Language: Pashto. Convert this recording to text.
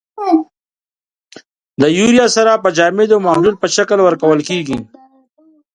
د یوریا سره په جامدو او محلول په شکل ورکول کیږي.